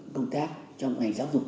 công tác trong ngành giáo dục